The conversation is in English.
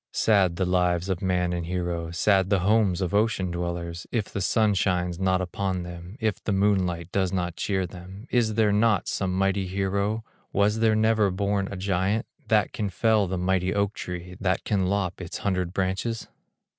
Sad the lives of man and hero, Sad the homes of ocean dwellers, If the sun shines not upon them, If the moonlight does not cheer them! Is there not some mighty hero, Was there never born a giant, That can fell the mighty oak tree, That can lop its hundred branches?